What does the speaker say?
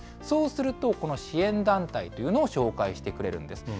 そうすると、この支援団体というのを紹介してくれるんです。